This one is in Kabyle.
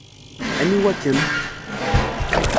Aniwa-kem?